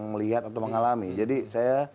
melihat atau mengalami jadi saya